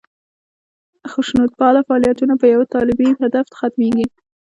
خشونتپاله فعالیتونه په یوه طالبي هدف ختمېږي.